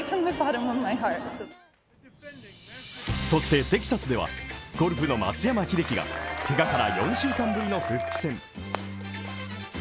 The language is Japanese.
そしてテキサスでは、ゴルフの松山英樹がけがから４週間ぶりの復帰戦。